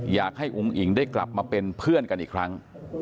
อยากให้อุ้งอิงได้กลับมาเป็นเพื่อนกันอีกครั้ง